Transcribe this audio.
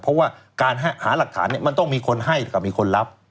เพราะว่าการหาหลักฐานมันต้องมีคนให้กับมีคนรับ